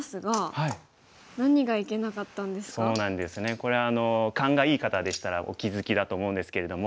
これ勘がいい方でしたらお気付きだと思うんですけれども。